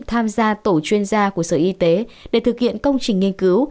tham gia tổ chuyên gia của sở y tế để thực hiện công trình nghiên cứu